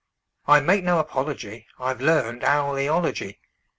I make no apology; I've learned owl eology.